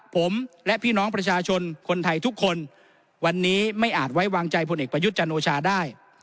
ผมและพี่น้องประชาชนคนไทยทุกคนวันนี้ไม่อาจไว้วางใจพลเอกประยุทธ์จันโอชาได้